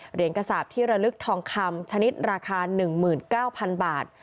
เหรียญกระสาปที่ระลึกทองคำชนิดราคา๑๙๐๐บาท